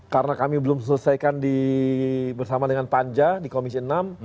karena kami belum selesaikan bersama dengan panja di komisi enam